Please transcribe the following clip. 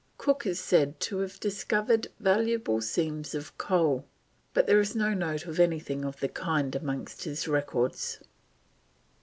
Cook is said to have discovered valuable seams of coal, but there is no note of anything of the kind amongst his records.